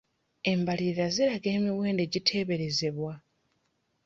Embalirira ziraga emiwendo egiteeberezebwa.